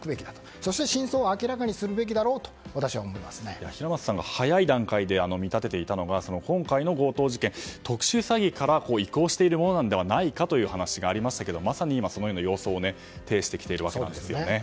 そして真相を明らかにするべきだろうと平松さんが早い段階で見立てていたのは今回の強盗事件、特殊詐欺から移行しているものではないかという話がありましたがまさに今、その様相を呈してきているわけですね。